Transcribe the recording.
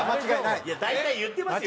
いや大体言ってますよ